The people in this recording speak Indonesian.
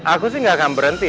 aku sih gak akan berhenti